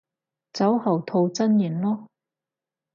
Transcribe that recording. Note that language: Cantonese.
酒後吐真言囉